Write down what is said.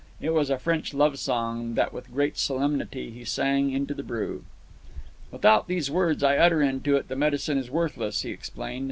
It was a French love song that with great solemnity he sang into the brew. "Without these words I utter into it, the medicine is worthless," he explained.